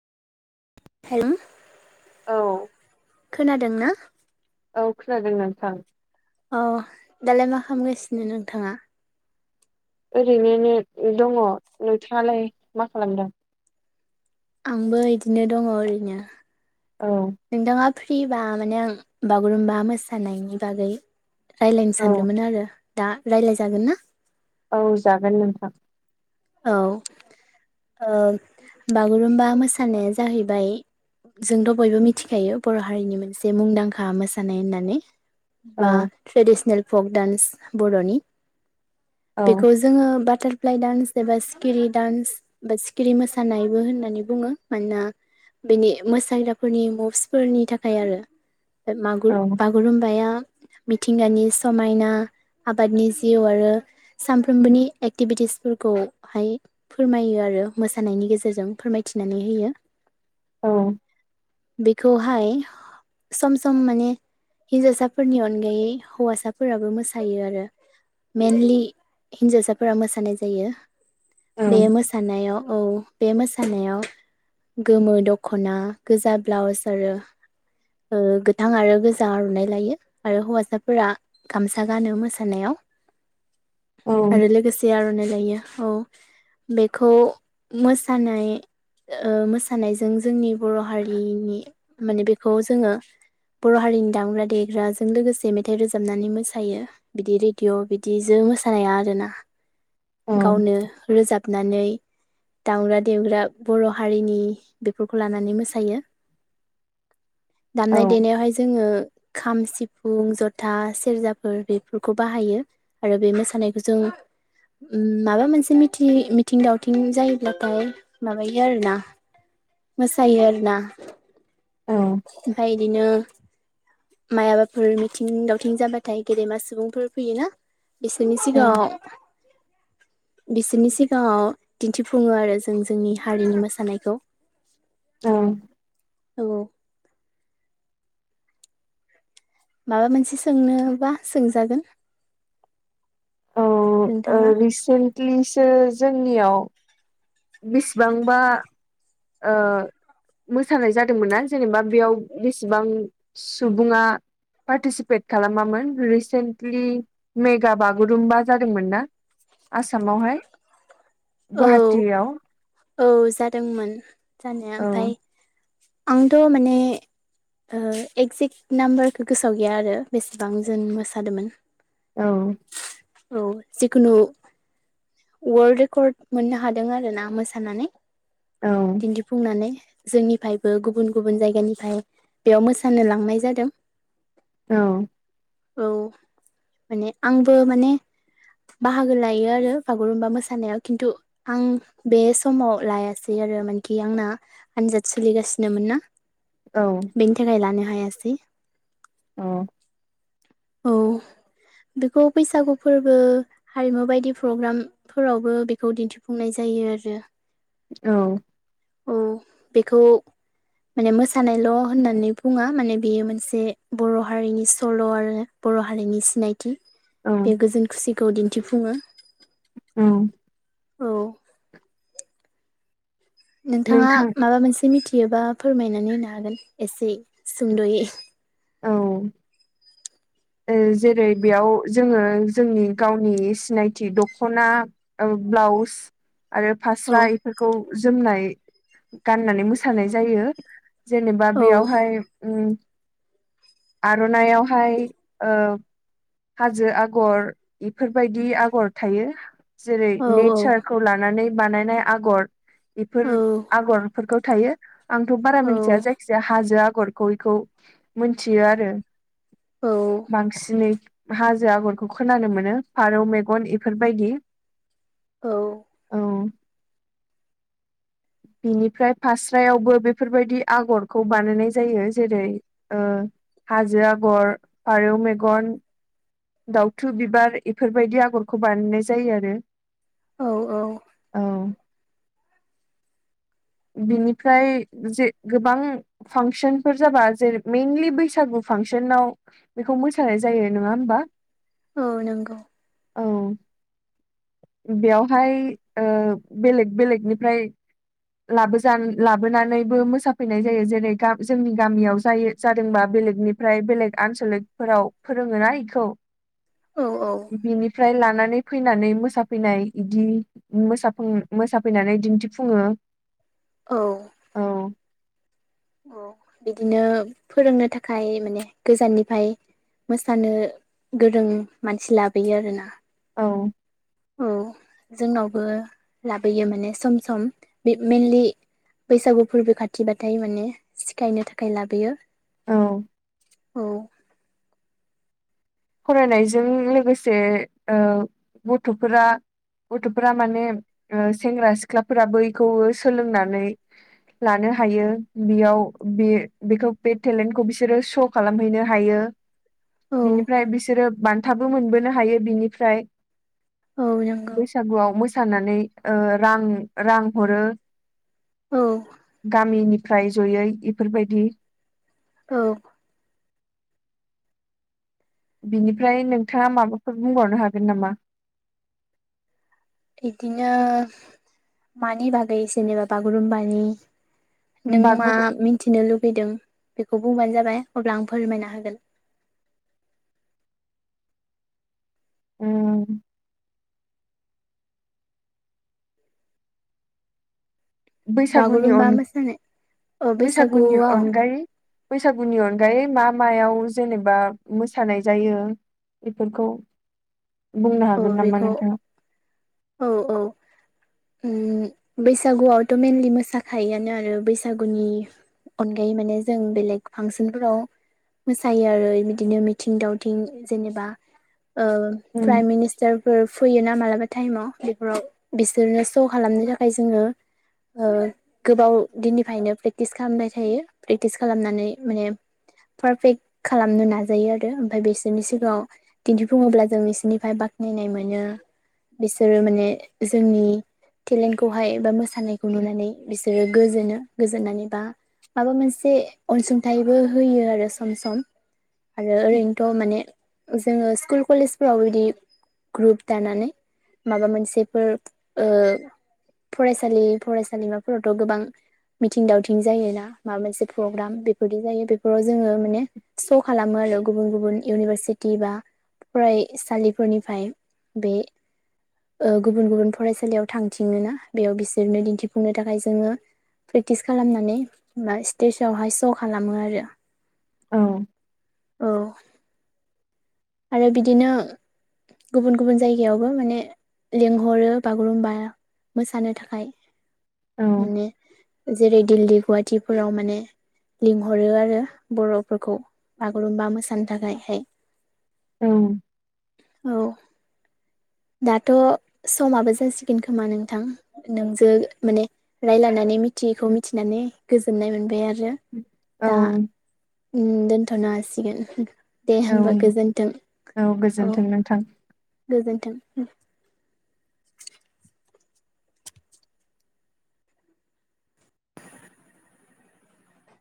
Hello औ खोनादोंना? औ खोनादों नोंथां। अ दालाय मा खामगासिनो नोंथाङा? ओरैनोनो दङ नोंथाङालाय मा खालामदों? आंबो इदिनो दङ ओरैनो औ नोंथाङा फ्रिबा माने बागुरुम्बा मोसानायनि बागै रायलायनो औ सानदोंमोन आरो दा रायलाय जागोनना? औ जागोन नोंथां। औ ओ बागुरुम्बा मोसानाया जाहैबाय जोंथ' बयबो मिथिखायो बर' हारिनि मोनसे मुंदांखा मोसानाय होननानै। औ बा ट्रेडिसनेल फक डान्स बर'नि औ बेखौ जोङो बाटारफ्लाइ डान्स एबा सिखिरि डान्स बा सिखिरि मोसानायबो होननानै बुङो मानोना बेनि मोसाग्राफोरनि मुसफोरनि थाखाय आरो मागुर औ बा रुम्बाया मिथिंगानि समायना आबादनि जिउ आरो सानफ्रोमबोनि एक्टिभिटिसफोरखौ हाय फोरमायो आरो मोसानायनि गेजेरजों फोरमायथिनानै होयो। औ बेखौहाय सम सम माने हिन्जावसाफोरनि अनगायै हौवासाफोराबो मोसायो आरो मेनलि हिनजावसाफोरा मोसानाय जायो। औ बे मोसानायाव औ बे मोसानायाव गोमो दखना गोजा ब्लाउस आरो गोथां आरो गोजा आरुनाय लायो आरो हौवासाफोरा गामसा गानो मोसानायाव आरो लोगोसे आर'नाइ लायो औ बेखौ मोसानाय ओ मोसानायजों जोंनि बर' हारिनि माने बेखौ जोङो बर' हारिनि दामग्रा देग्राजों लोगोसे मेथाइ रोजाबनानै मोसायो। बिदि रेडिअ' बिदिजों मोसानाया आरोना। गावनो रोजाबनानै दाग्रा देवग्रा बर' हारिनि बेफोरखौ लानानै मोसायो। दामनाय औ देनायावहाय जोंङो खाम सिफुं जथा सेरजाफोर बेफोरखौ बाहायो आरो बे मोसानायखौ जों माबा मोनसे मिथि मिथिं दावथिं जायोब्लाथाय माबायो आरोना मोसायो आरो ना औ ओमफ्राय बिदिनो माइबाफोर मिथिं दावथिं जाबाथाय गेदेमा सुबुंफोर फैयोना बिसोरनि औ सिगाङाव बिसोरनि सिगाङाव दिन्थिफुङो आरो जों जोंनि हारिनि मोसानायखौ [inaudible] उम औ माबा मोनसे सोंनोबा सोंजागोन। औ नोंथाङा रिसेन्टलिसो जोंनियाव बिसिबांबा ओ मोसानाय जादोंमोनना जेनेबा बेयाव बेसेबां सुबुंङा पार्टिसिपेट खालामामोन रिसेन्टलि मेगा बागुरुम्बा जादोंमोन ना? आसामावहाय औ गुवाहाटियाव औ जादोंमोन जानाया औ ओमफ्राय आंथ' माने एगजेक्ट नाम्बारखौ गोसो गैया आरो बेसेबां जों मोसादोंमोन। औ औ जखुनु वर्ड रेकर्ड मोननो हादों आरो ना मोसानानै औ दिन्थिफुंनानै जोंनिफ्रायबो गुबुन गुबुन जायगानिफ्राय बेयाव मोसानो लांनाय जादों। औ औ माने आंबो माने बाहागो लायो आरो बागुरुमबा मोसानायाव खिन्थु आं बे समाव लायासै आरो मानखि आंना आनजाद सोलिगासिनोमोन ना औ बेनि थाखाय लानो हायासै औ औ बेखौ बैसागु फोरबो हारिमु बायदि प्रग्राम फोरावबो बेखौ दिन्थिफुंनाय जायो आरो। औ औ बेखौ माने मोसानायल' होननानै बुङा माने बेयो मोनसे बर' हारिनि सल' आरो बर' हारिनि सिनायथि औ बे गोजोन खुसिखौ दिन्थिफुङो औ औ नोंथाङा नोंथां माबा मोनसे मिथियोबा फोरमायनानै होनो हागोन एसे सुंद'यै औ [inaudible] जेरै बेयाव जोङो जोंनि गावनि सिनायथि दखना ब्लाउस आरो औ फास्रा बेफोरखौ जोमनाय गाननानै मोसानाय जायो जेनेबा औ बेयावहाय आर'नाइआवहाय हाजो आगर इफोरबायदि आगर थायो जेरै औ नेचारखौ लानानै बानायनाय आगर बेफोर औ आगरफोरखौ थायो आंथ' बारा औ मिन्थिया जायखिजाया हाजो आगरखौ इखौ मोनथियो आरो औ बांसिनै हाजो आगरखौ खोनानो मोनो फारौ मेगन बेफोरबायदि औ औ [inaudible] बिनिफ्राय फास्रायावबो बेफोरबायदि आगरखौ बानायनाय जायो जेरै हाजो आगर फारौ मेगन दाउथु बिबार बेफोरबायदि आगरखौ बानायनाय जायो आरो औ औ औ [inaudible] बिनिफ्राय जे गोबां फांसनफोर जाबा जेरै मेइनलि बैसागु फांसनाव बेखौ मोसानाय जायो नङा होमबा औ नंगौ औ बेयावहाय बेलेग बेलेगनिफ्राय लाबोजा लाबोनानैबो मोसाफैनाय जायो जेरै जोंनि गामियाव जायो जादोंबा बेलेगनिफ्राय बेलेग आनसलिकफोराव फोरोङोना बेखौ औ औ बिनिफ्राय लानानै फैनानै मोसाफैनाय इदि मोसाफैनानै दिन्थिफुङो औ औ औ बिदिनो फोरोंनो थाखाय माने गोजाननिफ्राय मोसानो गोरों मानसि लाबोयो आरोना औ औ जोंनावबो लाबोयो माने सम सम बे मेइनलि बैसागु फोरबो खाथिबाथाय माने सिखायनो थाखाय लाबोयो औ औ फरायनायजों लोगोसे गथ'फोरा गथ'फोरा माने सेंग्रा सिख्लाफोराबो बेखौबो सोलोंनानै लानो हायो बेयाव बे बेखौ बे टेलेन्टखौ बिसोरो श' खालामहैनो हायो औ ओमफ्राय बिसोरो बान्थाबो मोनबोनो हायो बिनिफ्राय औ नंगौ बैसागुआव मोसानानै रां रां हरो औ गामिनिफ्राय जयै बेफोरबायदि औ बिनिफ्राय नोंथाङा माबाफोर बुंबावनो हागोन नामा बिदिनो मानि बागै जेनेबा बागुरुम्बानि नों मा मिन्थिनो लुबैदों बेखौ बुंबानो जाबाय अब्ला आं फोरमायना होगोन औ बैसागुनि बागुरुम्बा अन मोसानाय अ बैसागुनि बैसागुआव अनगायै बैसागुनि अनगायै मा मायाव जेनेबा मोसानाय जायो बेफोरखौ बुंनो औ हागोन नामा बेखौ नोंथाङा औ औ उम बैसागुआवथ' मेनलि मोसाखायोआनो आरो बैसागुनि अनगायै माने जों बेलेग फांसोनफोराव मोसायो आरो बिदिनो मिथिं दावथिं जेनेबा ओ उम प्राइमिनिस्टार फोर फैयोना मालाबा टाइमाव बेफोराव बिसोरो श' खालामनो थाखाय जोङो ओ गोबाव दिननिफायनो प्रेक्टिस खामबाय थायो प्रेक्टिस खालामनानै माने पारफेक्ट खालामनो नाजायो आरो ओमफाय बिसोरनि सिगाङाव दिन्थिफुङोब्ला जों इसोरनि फाय बाखनायनाय मोनो बिसोरो माने जोंनि टेलेन्टखौहाय बा मोसानायखौ नुनानै बिसोरो गोजोनो गोजोननानै बा माबा मोनसे अनसुंथाइबो होयो आरो सम सम आरो ओरैनोथ' माने जोङो स्कुल कलेजफोराव इदि ग्रुप दानानै माबा मोनसेफोर ओ फरायसालि फरायसालिमाफोरावथ' गोबां मिथिं दावथिं जायो ना माबा मोनसे प्रग्राम बेफोरदि जायो बेफोराव जोङो माने श' खालामो आरो गुबुन गुबुन इउनिभारसिटि बा फरायसालि फोरनिफ्राय बे ओ गुबुन गुबुन फरायसालियाव थांथिङोना बेयाव बिसोरनो दिन्थिफुंनो थाखाय जोङो प्रेक्टिस खालामनानै मा स्टेजावहाय श' खालामो आरो औ औ आरो बिदिनो गुबुन गुबुन जायगायावबो माने लेंंहरो बागुरुमबा मोसानो थाखाय औ माने जेरै दिल्ली गुवाहाटिफोराव माने लिंहरो आरो बर'फोरखौ बागुरुम्बा मोसानो थाखायहाय औ औ दाथ' समाबो जासिगोन खोमा नोंथां नोंजों माने रायलायनानै मिथियिखौ मिथिनानै गोजोननाय मोनबाय आरो औ दा उम दोनथ'नो हासिगोन दे होमबा औ गोजोन थों औ गोजोन्थों नोंथां। गोजोन्थों